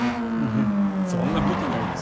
いやそんなことないですよ。